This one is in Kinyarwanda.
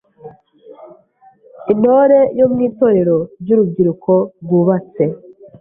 Intore yo mu Itorero ry’urubyiruko rwubatse;